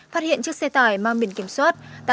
phát hiện chiếc xe tải mang biển kiểm soát